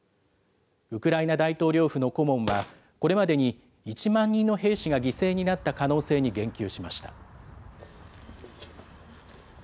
ウクライナ大統領府の顧問は、これまでに１万人の兵士が犠牲になった可能性に言及しました。